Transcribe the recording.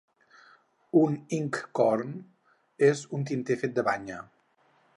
Un inkhorn és un tinter fet de banya.